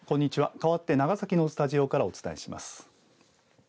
かわって長崎のスタジオからお伝えします。